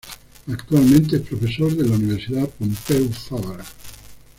Actualmente es profesor de la Universidad Pompeu Fabra.